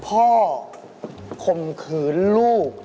พ่อคมเคือลูก